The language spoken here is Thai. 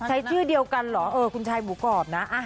ใช้ชื่อเดียวกันเหรอเออคุณชายหมูกรอบนะ